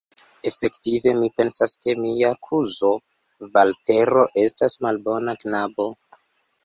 Efektive, mi pensas, ke mia kuzo Valtero estas malbona knabo.